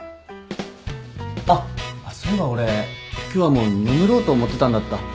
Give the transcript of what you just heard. あっそういえば俺今日はもう眠ろうと思ってたんだった。